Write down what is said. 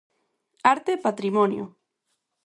Arte e patrimonio.